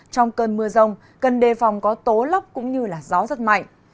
trong cơn mưa rông cơn đề phòng có tố lóc cũng như là gió rất mạnh